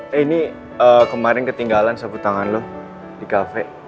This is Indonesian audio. eh ini kemarin ketinggalan sabut tangan lo di kafe